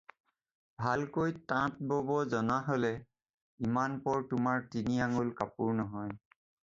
ভালকৈ তাঁত বব জনা হলে ইমান পৰত তোমাৰ তিনি আঙ্গুল কাপোৰ নহয়